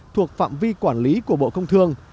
thuộc phạm vi quản lý của bộ công thương